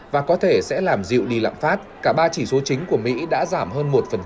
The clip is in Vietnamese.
và có thể sẽ làm dịu đi lạm phát cả ba chỉ số chính của mỹ đã giảm hơn một